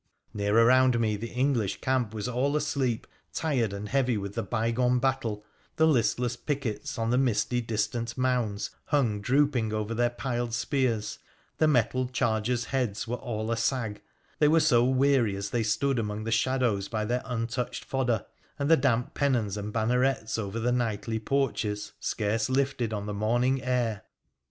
Near around me the English camp was all asleep, tired and heavy with the bygone battle, the listless pickets on the misty, dis tant mounds hung drooping over their piled spears, the metalled chargers' heads were all asag, they were so weary as they stood among the shadows by their untouched fodder, and the damp pennons and bannerets over the knightly porches scarce lifted on the morning air